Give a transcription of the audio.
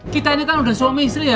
kita ini kan sudah suami istri ya